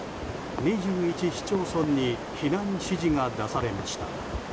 市町村に避難指示が出されました。